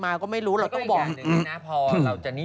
อ่าใส่บิกินี่